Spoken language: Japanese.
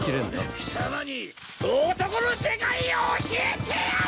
貴様に男の世界を教えてやる！